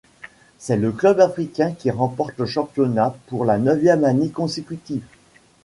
C’est le Club africain qui remporte le championnat pour la neuvième année consécutive.